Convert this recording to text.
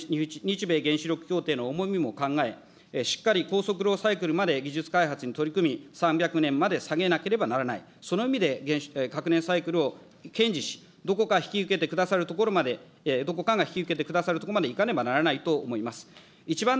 ここは日米原子力協定の重みも考え、しっかり高速炉サイクルまで技術開発に取り組み、３００年まで下げなければならない、その意味で核燃サイクルを堅持し、どこか引き受けてくださるところまで、どこかが引き受けてくださるところまでいかねばならないと思います。